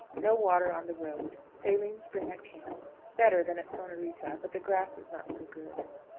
No water on the road. Saline spring at camp, better than at Sonorita, but the grass is not so good.